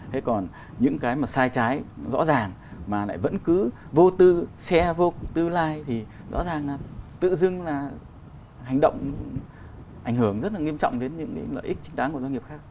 thế còn những cái mà sai trái rõ ràng mà lại vẫn cứ vô tư xe vô tư lai thì rõ ràng là tự dưng là hành động ảnh hưởng rất là nghiêm trọng đến những cái lợi ích chính đáng của doanh nghiệp khác